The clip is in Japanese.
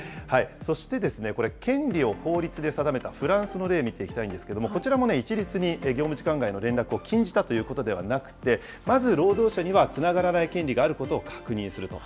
そして、これ、権利を法律で定めたフランスの例を見ていきたいんですけれども、こちらも一律に業務時間外の連絡を禁じたということではなくて、まず労働者には、つながらない権利があることを確認すると。